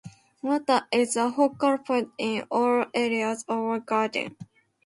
Water is a focal point in all areas of the garden.